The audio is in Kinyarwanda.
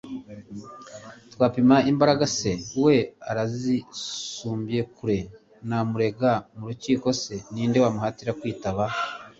twapima imbaraga se? we arazinsumbya kure! namurega mu rukiko se? ni nde wamuhatira kwitaba